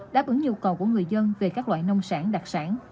đáp ứng nhu cầu của người dân về các loại nông sản đặc sản